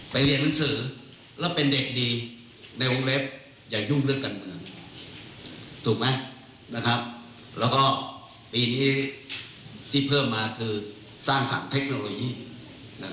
ไปเรียนลังสือแล้วเป็นเด็กดีในวงเลฟอย่ายุ่งเรื่องการเงิน